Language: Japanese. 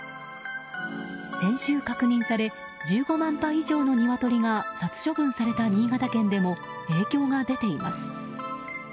先週確認され１５万羽以上のニワトリが殺処分された新潟県でも影響が出ています。